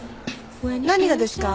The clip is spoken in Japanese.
何がですか？